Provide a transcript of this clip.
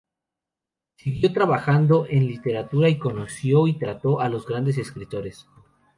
Siguió trabajando en literatura y conoció y trató a los grandes escritores.